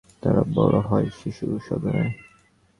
তারা বড় হয় শিশুসদনে।